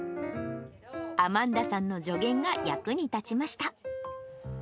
アマンダさんの助言が役に立ちました。